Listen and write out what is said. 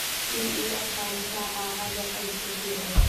Ti i a pam caah a ruak an hmu ti lo.